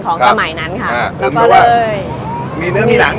ประกาศรายชื่อพศ๒๕๖๑